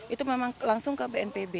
itu memang langsung ke bnpb